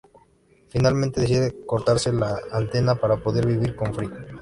Finalmente decide cortarse la antena para poder vivir con Fry.